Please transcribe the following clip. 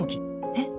えっ！